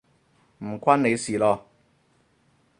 唔關你事囉